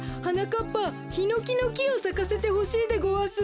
はなかっぱヒノキのきをさかせてほしいでごわす。